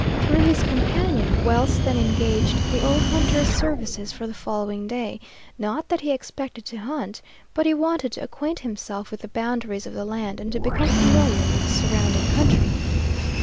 Through his companion, Wells then engaged the old hunter's services for the following day; not that he expected to hunt, but he wanted to acquaint himself with the boundaries of the land and to become familiar with the surrounding country.